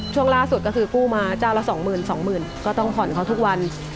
ช่วงล่าสุดก็คือกู้มาเจ้าละ๒๐๐๐๒๐๐๐ก็ต้องผ่อนเขาทุกวัน